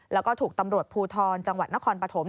แล้วก็ถูกตำรวจภูทรจังหวัดนครปฐม